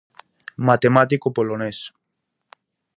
Matemático polonés.